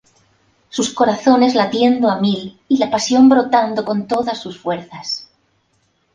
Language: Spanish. Sus corazones latiendo a mil y la pasión brotando con todas sus fuerzas.